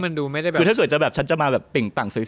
สูตรให้สวยฉันจะมาเปลี่ยงต่างสวย